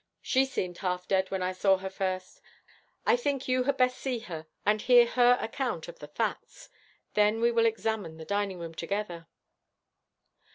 She seemed half dead when I saw her first. I think you had best see her and hear her account of the facts. Then we will examine the dining room together.'